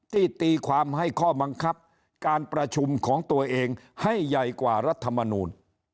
ตีความให้ข้อบังคับการประชุมของตัวเองให้ใหญ่กว่ารัฐมนูล